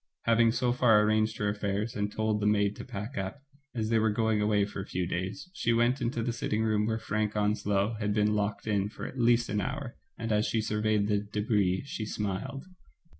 Having so far arranged her affairs, and told the maid to pack up, as they were going away for a few days, she went into the sitting room where Frank Onslow had been locked in for at least an hour, and, as she surveyed the d^bris^ she smiled.